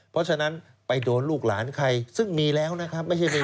เพราะฉะนั้นไปโดนลูกหลานใครซึ่งมีแล้วนะครับไม่ใช่มี